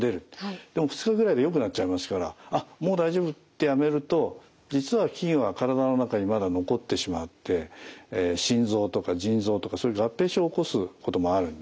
でも２日ぐらいでよくなっちゃいますから「あっもう大丈夫」ってやめると実は菌は体の中にまだ残ってしまって心臓とか腎臓とかそういう合併症を起こすこともあるんですね。